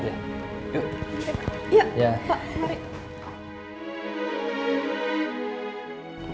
yuk pak mari